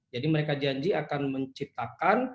jadi mereka janji akan menciptakan